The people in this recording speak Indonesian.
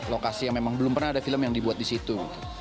lokasi yang memang belum pernah ada film yang dibuat di situ